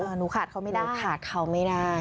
หนูขาดเขาไม่ได้